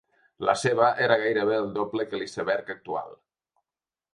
La seva era gairebé el doble que l’iceberg actual.